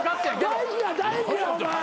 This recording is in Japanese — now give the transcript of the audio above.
大事や大事やお前。